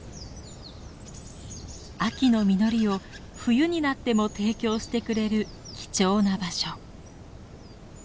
秋の実りを冬になっても提供してくれる貴重な場所。